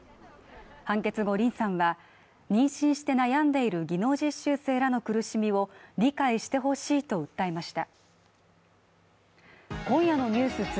判決後リンさんは妊娠して悩んでいる技能実習生らの苦しみを理解してほしいと訴えました。